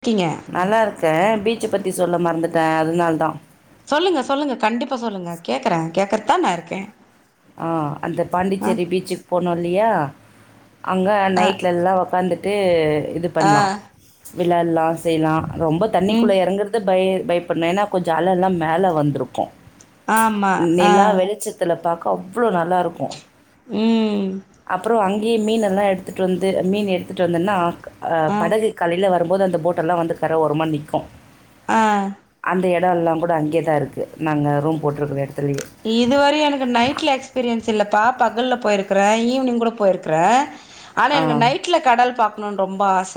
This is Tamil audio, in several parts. இருக்கீங்க நல்லாருக்கே பீச்ச பத்தி சொல்ல மறந்துட்டே அதுனால தா சொல்லுங்க சொல்லுங்க கண்டிப்பா சொல்லுங்க கேக்கறே கேக்கறத்தா நா இருக்கே ஆ அந்த ஆ பாண்டிச்சேரி பீச்சுக்கு போனோ இல்லையா அங்க ஆ நைட்ல எல்லா உக்காந்துட்டு இது ஆ பண்லா விள்ளாட்லா செய்லா ரொம்ப ம் தண்ணிக்குள்ள எறங்குறது த்தா பய பயப்பட்னு ஏனா கொஞ்சோ அலலா மேல வந்துருக்கு ஆமா ஆ நிலா வெளிச்ச த்துல் பாக்க அவ்ளோ நல்லாருக்கு ம் அப்றோ அங்கியே மீன்னெல்லா எடுத்துட்டு வந்து மீன் எடுத்துட்டு வந்தன்னா அ ஆ படகு காலைல வரும்போது அந்த போட்டெல்லா வந்து கர ஓரமா நிக்கு ஆ அந்த எடோ எல்லா கூட அங்கே தா இருக்கு நாங்க ரூம் போட்ருக்குற எடத்துலே இதுவரையு எனக்கு நைட்ல எக்ஸ்பீரியன்ஸ் இல்லப்பா பகல்ல போயிருக்குறே ஈவினிங் கூட போயிருக்குறே ஆனா எனக்கு ஆ நைட்ல கடல் பாக்ணுன் ரொம்ப ஆச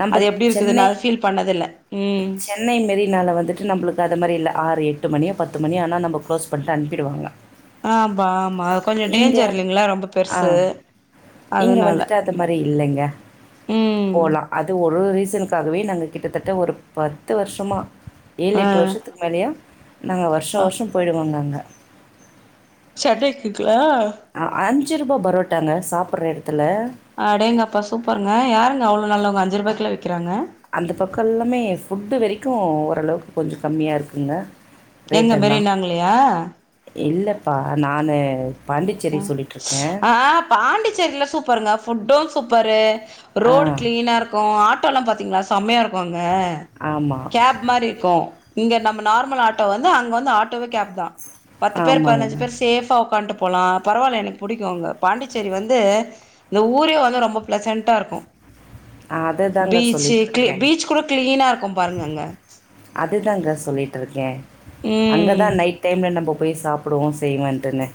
நம்ப அது எப்டி இருக்குது சென்னை நா அத ஃபீல் பண்ணதே இல்ல ம் சென்னை மெரினால வந்துட்டு நம்முளுக்கு அத மாரி இல்ல ஆறு எட்டு மணி பத்து மணி ஆனா நம்ப க்ளோஸ் பண்ட்டு அனுப்பிடுவாங்க ஆ ப்பா ஆமா கொஞ்சோ இங்க டேஞ்சர் இல்லைங்ளா ரொம்ப ஆ. பெர்சு இங்க வந்துட்டு அத மாரி இல்லைங்க ம் போலா அது ஒரு ரீசனுக்காகவே நாங்க கிட்டத்தட்ட ஒரு பத்து வர்ஷமா ஆ ஏழெட்டு வர்ஷத்துக்கு மேலயு நாங்க வர்ஷோ ஆ வர்ஷோ போயிடுவோங்க அங்க [unintelligible] ட்ருக்குல அ அஞ்சு ரூபா பரோட்டாங்க சாப்புர்ற எடத்துல அடேங்கப்பா சூப்பருங்க யாருங்க அவ்ளோ நல்லவங்க அஞ்சு ரூபாய்க்குலா விக்கிறாங்க அந்த பக்கல்லாமே ஃபுட்டு வரைக்கு ஓரளவுக்கு கொஞ்சோ கம்மியாருக்குங்க எங்க மெரினாங்ளயா இல்லப்பா நானு பாண்டிச்சேரி சொல்லிட்டுருக்கேன். ஆ பாண்டிச்சேரில சூப்பருங்க ஃபுட்டு சூப்பரு ஆ, ரோடு கிளீனாருக்கு ஆட்டோலா பாத்திங்ளா செமயாருக்கு அங்க ஆமா. கேப் மாரிக்கு இங்க நம்ம நார்மல் ஆட்டோ வந்து அங்க வந்து ஆட்டோவே கேப் தா பத்து பேர் ஆமாங்க. பதினஞ்சு பேர் சேஃபா ஒக்கான்ட்டு போலா பரவால்ல எனக் புடிக்கு அங்க பாண்டிச்சேரி வந்து இங்க ஊரே வந்து ரொம்ப பிளசன்ட்டாருக்கு அததாங்க பீச்சு க்கு சொல்லிட்டுருக்கேன். பீச் கூட கிளீனாருக்கு பாருங்க அங்க அதுதாங்க சொல்லிட்ருக்கே அங்க தா ம் நைட் டைம்ல நம்ப போய் சாப் ப்டுவோ செய்வேன்ட்டுனு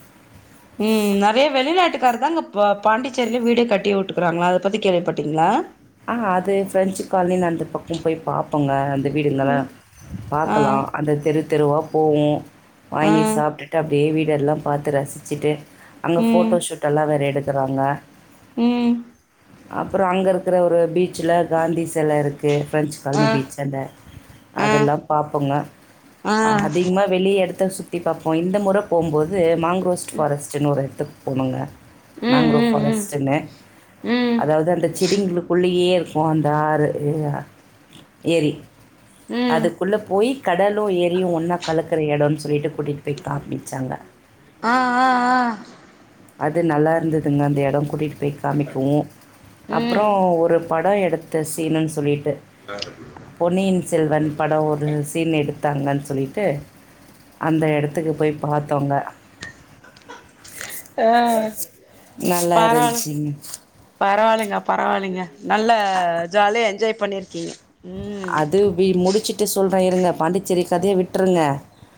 ம் நெறைய வெளிநாட்டுக்கார் தாங்க பா பாண்டிச்சேரிலே வீடே கட்டி உட்டுக்குறாங்களா அத பத்தி கேள்விப்பட்டிங்ளா ஆ அது ஃப்ரெஞ்சு கால்ணின்னு அந்த பக்கோ போய் பாப்போங்க அந்த வீடுங்கலா ம் ஆ பாக்கலா அந்த தெரு தெருவா போவோ ஆ வாங்கி சாப்ட்டுட்டு அப்டியே வீடெல்லா பாத்து ரசிச்சுட்டு அங்க ம் ஃபோட்டோஷூட்டெல்லா வேற எடுக்குறாங்க ம் அப்றோ அங்கருக்குற ஒரு பீச் ச்ல காந்தி செல இருக்கு பிரெஞ்சு ஆ காலனி பீச்சாண்ட ஆ அதெல்லா பாப்போங்க ஆ அதிகமா வெளி எடத்த சுத் தி பாப்போ இந்த முற போம்போது மாங்ரோஸ்ட் ஃபாரஸ்ட்டுனு ஒரெடத்துக் போனோங்க ம் மேங்க்ரோவ் ம் ம் ஃபாரஸ்ட்ன்னு ம் அதாவுது அந்த செடிங்ளுக் ள்ளேயேருக்கு அந்த ஆறு ஆ ஏரி ம் அதுக்குள்ள போயி கடலு ஏரியு ஒன்னா கலக்குற எடோன் சொல்லிட்டு கூட்டிட் போய் காமிச்சாங்க ஆ ஆ ஆ அது நல்லாருந்துதுங்க அந்த எடோ கூட்டிட் போய் காமிக்கவு அப்றோ ம் ஒரு பட எடுத்த சீனுன் சொல்லிட்டு பொன்னியின் செல்வன் பட ஒரு சீன் எடுத்தாங்கன் சொல்லிட்டு அந்த எடத்துக்கு போய் பாத்தோங்க ஆ நல்லாருச்சிங்க பரவால்லைங்க பரவால்லைங்க நல்ல ஜாலியா என்ஜாய் பண்ணிருக்கீங்க ம் அது வி முடிச்சுட்டு சொல்றே இருங்க பாண்டிச்சேரி கதைய விட்ருங்க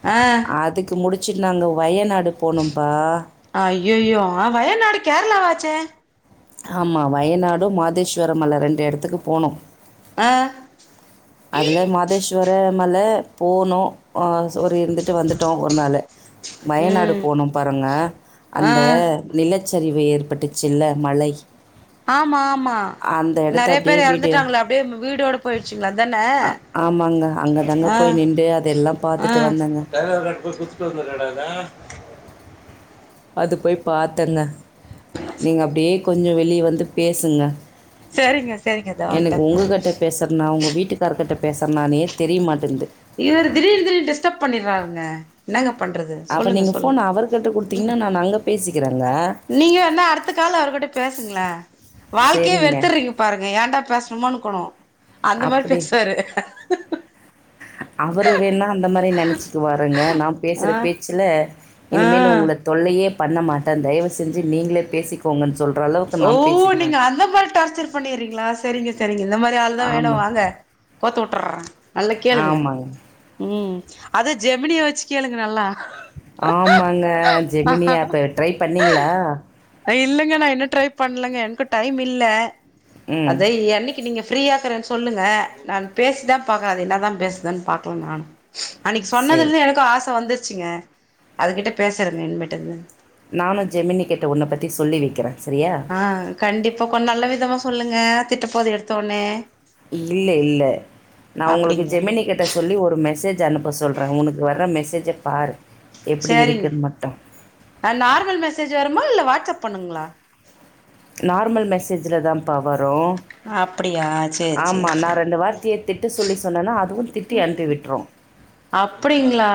ஆ அதுக்கு முடிச்சுட் நாங்க வயநாடு போனோம்பா அய்யயோ ஆ வயநாடு கேர்ளாவாச்சே ஆமா வயநாடு மாதேஸ்வரமல ரெண்டு எடத்துக்கு போனோ ஆ அதுல மாதேஸ்வரமல போனோ அ ஒரு இருந்துட்டு வந்துட்டோ ஒரு நாளு வயநாடு ம் போனோ பாருங்க ஆ அந்த நிலச்சரிவு ஏற்பட்டுச்சுல மலை ஆமா ஆமா அந்த இடத்த நெறைய அப்படியே பேர் வீடியோ எறந்துட்டாங்ள அப்டியே வீடோட போய்ர்ச்சுங்ளா அதான ஆ ஆமாங்க அங்கே தாங்க ஆ போய் நின்று அதெல்லாம் ஆ பார்த்துட்டு வந்தேங்க [unintelligible] நடந்தா அது போய் பாத்தங்க நீங்க அப்டியே கொஞ்சோ வெளிய வந்து பேசுங்க செரிங்க செரிங்க தோ வன்ட்டே [unintelligible] நா உங்க வீட்டுக்கார்கிட்ட பேசறனானே தெரியமாட்டன்து இவ்ரு திடீர் திடீர் டிஸ்டர்ப் பண்ணிட்றாங்க என்னங்க பண்றது அப்போ சொல்லுங்க நீங்க சொல்லுங்க ஃபோன் அவருகிட்ட குடுத்தீங்கன்னா நானு அங்க பேசிக்கிறேங்க நீங்க வேண்ணா அடுத்த கால்ல அவருகிட்ட பேசுங்களே வாழ்க்கையே சரிங்க வெறுத்துடுவீங்க பாருங்க ஏன்டா பேசணுமோ இக்கணு அந்த மாரி பேச்சுவாரு அவரு வேண்ணா அந்த மாரி நெனைச்சிகுவாருங்க நா பேசுற ஆ பேச்சுல இனிமேலு ஆ உங்கள தொல்லயே பண்ண மாட்டே தயவு செஞ்சு நீங்களே பேசிக்கோங்கன்னு சொல்ற அள ஓ நீங்க அந்த மாரி டார்ச்சரு பண்ணிடுறீங்களா செரிங்க செரிங்க இந்த மாரி ஆள் தா வேணு ஆமாம் வாங்க கோத்து விட்டுர்றே நல்லா கேளுங்க ஆமாங்க ம் அது ஜெமினிய வச்சு கேளுங்க நல்லா ஆமாங்க ஜெமினி ஆப்பு ட்ரை பண்ணீங்களா இல்லங்க நா இன்னு ட்ரை பண்ணலங்க எனக்கு டைம் இல்ல ம் அத என்னிக் கி நீங்க ஃப்ரீயா இருக்கறேன்னு சொல்லுங்க நானு பேசிதா பாக்குற அது என்னதா பேசுதுன்னு பாக்கலா நானு அன்னைக்கி சரி சொன்னதுலெந்து எனக்கு ஆச வந்துருச்சுங்க அதுக்கிட்ட பேசுறேங்க இன்மேட்டு நானு ஜெமினி கிட்ட உன்னப்பத்தி சொல்லி வைக்கிறே சரியா ஆ கண்டிப்பா கொஞ் நல்ல விதமா சொல்லுங்க திட்ட போது எடுத்தோனே இல்ல இல்ல நா உங்களுக்கு அப்டிங்களா ஜெமினிகிட் ட சொல்லி ஒரு மெசேஜ் அனுப்ப சொல்றே உனக்கு வர்ற மெசேஜ பாரு எப்படி செரிங் இருக்குன்னு மட்டும் அ நார்மல் மெசேஜ் வருமா இல்ல வாட்ஸ்அப் பண்ணுங்ளா நார்மல் மெசேஜ்ல தாம்ப்பா வரு அப்டியா சேரி ஆம்மா சேரி நா சேரி ரெண்டு வார்த்தைய திட்டு சொல்லி சொன்னனா அதுவு திட்டி அனுப்பி விட்ரு அப்பிடிங்ளா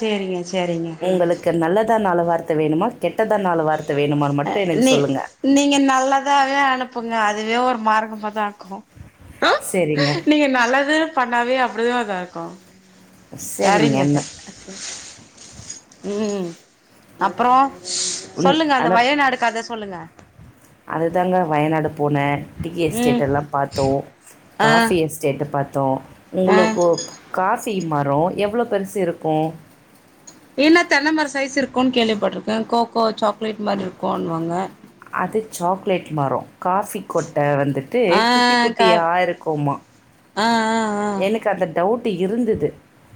சேரிங்க சேரிங்க உங்களுக்கு நல்லதா நாலு வார்த்த வேணுமா கெட்டதா நாலு வார்த்த வேணுமான்னு அ மட்டு எனக்கு நீ சொல்லுங்க நீங்க நல்லதாவே அனுப்புங்க அதுவே ஒரு மார்க்கமாதா இருக்கு அ சரிங்க, நீங்க நல்லது பண்ணாவே அப்பிடிதா இதா இருக்கு சரிங்க அத்த சரிங்கன்னு. ம் அப்பறோ ம். சொல்லுங்க அந்த ஆனா, வயநாடுக்கத சொல்லுங்க அதுதாங்க வயநாடு போனே டீ எஸ்டேட் ம் எல்லா பாத்தோ ஆ காஃபி எஸ் டேட்டு பாத்தோ ஆ உங்களுக்கு காஃபி மரோ எவ்ளோ பெருசு இருக்கு என்ன தென்னைமரோ சைஸ் இருக்குன் கேள்விப்பட்டிருக்க கோகோ சாக்லேட் மாரி இருக்குன்னுவாங்க அது சாக்லேட் மரோ காஃபி கொட்ட வந்துட்டு ஆ குட்டி குட்டியா இருக்குமா அ அ எனக்கு அந்த டவுட்டு இருந்துது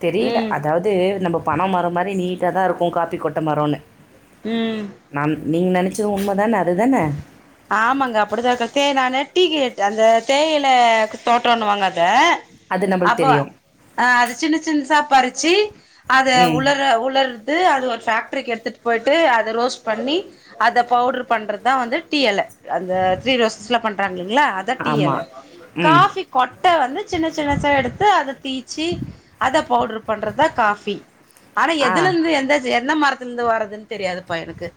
தெரில ம் அதாவது நம்ம பன மரோ மாரி நீட்டா தா இருக்கு காப்பி கொட்ட மரோன்னு ம் நான் நீங்க நெனைச்சது உண்மதான அதுதான ஆமாங்க அப்படிதா இருக்கு தே நானு டீ கேட் அந்த தேயில தோட்டோண்ணுவாங்க அத அது நம்மளுக்கு அப்போ தெரியும். அ அது சின்ன சின்னுசா பறிச்சி அத ம். உலர உலர் அது அது ஒரு ஃபேக்டரிக்கு எடுத்துட்டு போய்ட்டு அத ரோஸ்ட் பண்ணி அத பவுட்ரு பண்றது அதா வந்து டீ எல அந்த த்ரீ ரோசஸ்லா பண்றாங்கலிங்ளா அதா டீ ஆமா. எல ம். காஃபி கொட்ட வந்து சின்ன சின்னச்சா எடுத்து அத தீச்சி அத பவுட்ரு பண்றதுதா காஃபி ஆனா ஆ. எதுல இருந்து எந்த என்ன மரத்துல இருந்து வர்றதுன்னு தெரியாதுப்பா எனக்கு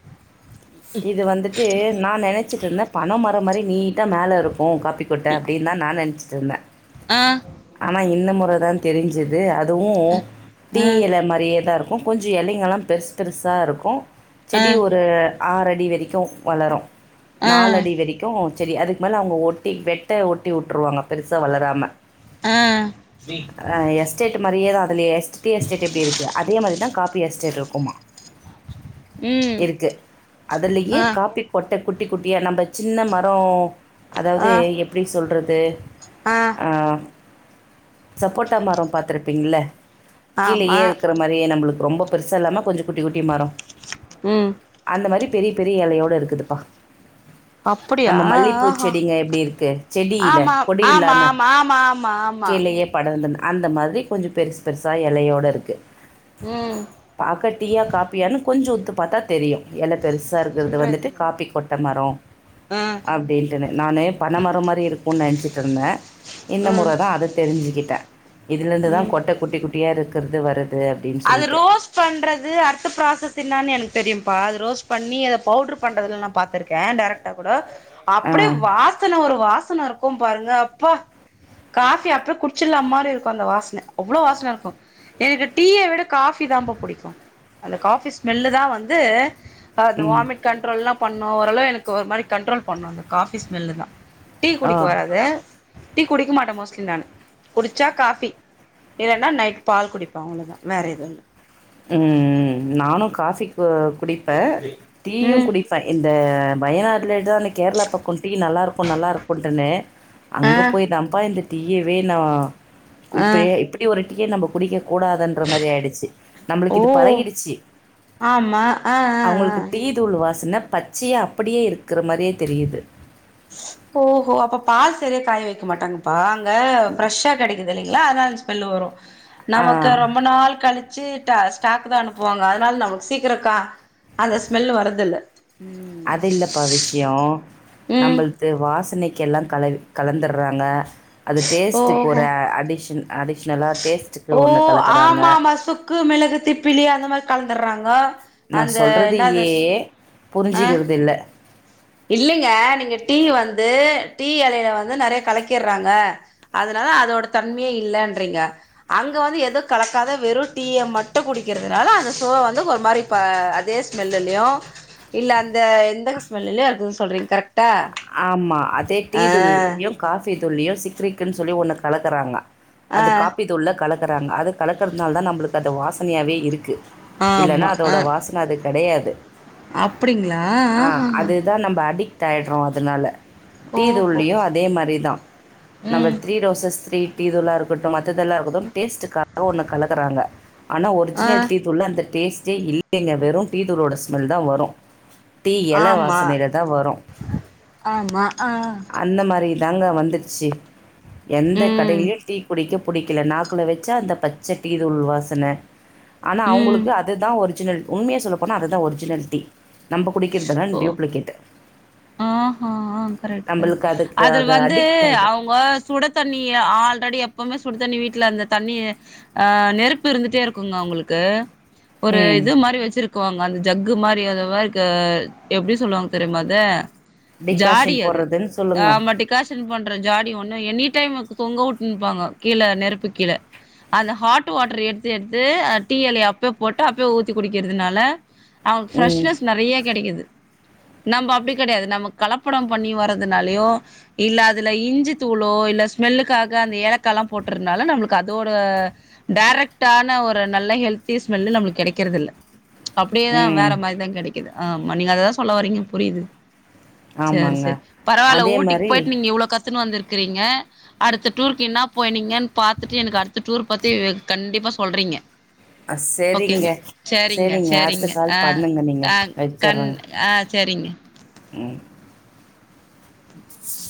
இது வந்துட்டு நா நெனச்சிட்ருந்த பன மரோ மாரி நீட்டா மேல இருக் கு காஃப்பி கொட்ட அப்டின்தா நா நெனச்சிட்ருந்த ஆ ஆனா இந்த முறதா தெரிஞ்சுது அதுவு டீ ஆ எல மாரியேதா இருக்கு கொஞ்சோ எலைங்கள்லா பெருஸ் பெருசா இருக்கு செடி ஆ ஒரு ஆறடி வரைக்கு வளரு ஆ நாலடி வரைக் த்தும் செடி அதுக்கு மேலே அவுங்க ஒட்டி வெட்ட ஒட்டி விட்ருவாங்க பெருசா வளராம ஆ ஆ எஸ்டேட் மாரியேதா அதுலயே எஸ்ட் டீ எஸ்டேட் எப்டி இருக்கு அதே மாரிதா கா பி எஸ்டேட் இருக்குமா ம் இருக்கு அதுலயே ஆ காஃபி பொட்ட குட்டி குட்டியா நம்ம சின்ன மரோ அதாவது ஆ எப்டி சொல்றது ஆ ஆ சப்போட்டா மரோ பாத்திருப்பீங்ள கீழயே ஆமா இருக்கிற மாரி அப்டியே நம்மளுக்கு ரொம்ப பெருசா இல்லாம கொஞ்சோ குட்டி குட்டி மரோ ம் அந்த மாரி பெரிய பெரிய எலையோட இருக்குதுப்பா அப்படியா நம்ம மல்லி பூ ஆஹா செடிங்க எப்டி இருக்கு செடியில ஆமா கொடி ஆமா இல்லாம ஆமா ஆமா ஆமா ஆமா கீழே ஏ படர்ந்துன் அந்த மாரி கொஞ்சோ பெருசு பெருசா எலையோட இருக்கு ம் பாக்க டீயா காஃபியானு கொஞ்சோ உத்து பாத்தா தெரியு எல பெருசா இருக்குறது சொல்றே வந்துட்டு காஃபி கொட்ட மரோ ஆ அப்டின்டுனு நானு பணமர மாரி இருக்குனு நெனச்சிட்டு இருந்தே இந்த ம் முறை தா அதை தெரிஞ்சுக்கிட்டே இதுல இருந்துதா ம் கொட்டை குட்டி குட்டியா இருக்குறது வருது அப்படின்னு அது சொல்லிட்டு ரோஸ் பண்றது அடுத்த ப்ராசஸ் என்னான்னு எனக்கு தெரியும்ப்பா அது ரோஸ்ட் பண்ணி அத பவுடுரு பண்றதுலா நா பார்த்திருக்கே டேரக்ட் விட்டா கூட ஆ, அப்பிடியே வாசனை ஒரு வாசனை இருக்கும் பாருங்க அப்பா காஃபி அப்பவே குடிச்சிட்லாம் மாரி இருக்கூ அந்த வாசனை அவ்வளோ வாசனை இருக்கு எனக்கு டீயை விட காஃபி தான்பா புடிக்கு அந்த காஃபி ஸ்மெல்லு தா வந்து அந்த ம். வாமிட் கண்ட்ரோல் எல்லா பண்ணு ஓரளவு எனக்கு ஒரு மாரி கண்ட்ரோல் பண்ணு அந்த காஃபி ஸ்மெல்லுதா டீ ஆ. குடிக்கு வராதே டீ குடிக்க மாட்டே மோஸ்ட்லி நானு குடிச்சா காபி இல்லன்னா நைட் பால் குடி பே அவ்ளோதா வேற எதுவு இல்ல ம் நானு காஃபி கு குடிப்பே டீயு ம் குடிப்பே இந்த வயநாடிலேதானா கேரளா பக்கோ டீ நல்லாயிருக்கு நல்லாயிருக்குட்டுனே ஆ அங்க போய் தாம்பா இந்த டீயவே நா ஆ இப்பயே இப்ப இப்டி ஒரு டீயே நம்ப குடிக்க கூடாதுன்ற மாரி ஆயிடுச்சி ஓ நம்மளுக்கு இது பழகிருச்சி ஆமா ஆ ஆ ஆ அவங்களுக்கு டீ த்தூள் வாசனே பச்சையா அப்டியே இருக்கிற மாரியே தெரியுது ஓஹோ அப்ப பால் சரியாற காய வைக்க மாட்டாங்கப்பா அங்க ஃபிரெஸ்ஷா கெடை க்கு தில்லைங்களா அதனால ஸ்மெல்லு வரு நமக்கு ஆ. ரொம்ப நாள் கழி வெச்சி ட்டா ஸ்டாக்குதா அனுப்புவாங்க அதனால நமக்கு சீக்கிரக்கா அந்த ஸ்மெல் வரதில்ல ம் அது இல்லப்ப விஷயோ ம் நம்மளது வாசனை க்கில்லா கலவ் கலந்திரறாங்க அது டேஸ்டுக்கு ஓஹோ ஒரு அடிக்சன் அடி க்ஷனல்லா டேஸ்டுக்கு ஒன்னு கலக்குறாங்க க்கு மிளகு திப்பிலி அந்த மாரி கலந்திடறாங்கோ நா சொல்றதையே ஆ புரிஞ்சிக்கிறது இல்ல இல்லைங்க நீங்க டீ வந்து டீ எலையில வந்து நெறைய கலக்கிறாங்க அதனால அதோட தன்மையே இல்லான்றீங்க அங்க வந்து எது கலக்காத வெறு டீய மட்டு குடிக்கிறதுனால அந்த சுவே வந்து ஒரு மாரி இப்ப அதே ஸ்மெல்லலையு இல்ல அந்த எந்த ஸ்மெல்லலையு இருக்குதுன்னு சொல்றீங்க கரெக்டா ஆமா அதே டீ ஆ தூள்ளையு காஃபி தூள்ளையு சிக்கரிக்குன்னு சொல்லி ஒன்ன கலக்குறாங்க அது ஆ காப்பி தூள்ள கலக்குறாங்க அது கலக்குறதுனாலதா நம்மளுக்கு அது வாசனையாவே இருக்கு இல்லன்னா ஆமா அதோட ஆ வாசனை அது கெடையாது அப்டிங்களா ஆ ஆஹஹா அது தா நம்ம அடிக்ட் ஆயிடறோ அதனால டீ ஓஹோ தூள்ளியு அதே மாதிரிதா நம்பர் ம் த்ரீ ரோசஸ் த்ரீ டீ தூளாஇருக் கட்டும் மத்ததெல்லா இருக்கட்டும் டேஸ்டுக்காக ஒன்னு கலக்கறாங்க ஆனா ஆ ஒரிஜினல் டீ தூள்ல அந்த டேஸ்டே இல்லைங்க வெறு டீ தூளோட ஸ்மெல் தா வரு டீ எல ஆமா வாசனைல தா வரு ஆமா ஆ அந்த மாரி தாங்க வந்துச்சு எந்த ம் கடைலையு டீ குடிக்கப் புடிக்கல நாக்குல வச்சா அந்த பச்ச டீ தூள் வாசன ஆனா ம் அவுங்களுக்கு அதுதா ஒரிஜினல் உண்மைய சொல்ல போனா அதுதா ஒரிஜினல் டி நம்ப குடிக்கிறதுதா டியூப்ளிகெட் ஆ ஹா கரெக்ட் கரெக்ட் நம்பளுக்கு அதுக்கு அது வந்து அடிக்ட் ஆயிட்டோ அவுங்க சுட தண்ணி ஆல்ரெடி எப்பவுமே சுடு தண்ணி வீட்ல அந்த தண்ணி ஆ நெருப்பு இருந்துட்டே இருக்குங்க அவுங்களுக்கு ஒரு ம் இது மாரி வச்சிருக்குவாங்க அந்த ஜக்கு மாரி அத வாழ்க்க எப்டி சொல்லுவாங்க தெரியுமா அத ஜாடி டிகாஷன் அது போடுறதுன்னு சொல்லுங்க ஆமட்டிக் காஷன் பண்ற ஜாடி ஒண்ணு எனி டைமுக்கு தொங்க உட்ன்னுப்பாங்க கீழ நெருப்புக்கீழ அந்த ஹாட் வாட்டர் எடுத்து எடுத்து அந்த டீ எலய அப்யே போட்டு அப்யே ஊத்தி குடிக்கிறதுனால அவுங்களுக்கு ம் ஃப்ரெஷ்னஸ் நெறைய கெடைக்குது நம்ப அப்டி கெடையாது நமக்கு கலப்படம் பண்ணி வர்றதுனாலயோ இல்ல அதுல இஞ்சி தூளோ இல்ல ஸ்மெல்லுக்காக அந்த ஏலக்க எல்லா போட்டதுனால நம்மளுக்கு அதோட டேரெக்ட்டான ஒரு நல்ல ஹெல்த்தி ஸ்மெல்லு நம்மளுக்கு கெடைக்கிறதுல்ல அப்டியேதா வேற ம் மாரிதா கெடைக்குது ஆமா நீங்க அததா சொல்ல வர்றீங்க புரியுது சேரி ஆமாங்க சேரி பரவால்ல அதே ஊட்டிக்கு மாரி போயிட்டு நீங்க இவ்ளோ கத்துன்னு வந்துருக்கிறீங்க அடுத்த டூருக்கு என்ன போனீங்கன்னு பாத்துட்டு எனக்கு அடுத்த டூர் பத்தி கண்டிப்பா சொல்றீங்க அ சரிங்க ஓகேங்க சரிங்க அடுத்த சரிங்க கால் ஆ பண்ணுங்க நீங்க ஆ கண் ஆ சரிங்க ம் [inaudible]